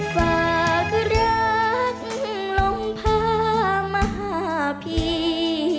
ฝากรักลงพามาหาพี่